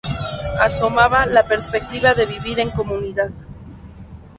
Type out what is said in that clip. Asomaba la perspectiva de vivir en comunidad.